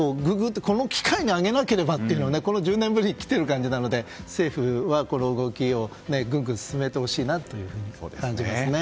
この機会に上げなければというのが１０年ぶりに来ている感じなので政府は企業にこれをぐんぐん進めてほしいと感じますね。